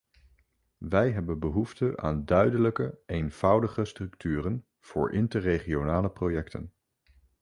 Wij hebben behoefte aan duidelijke, eenvoudige structuren voor interregionale projecten.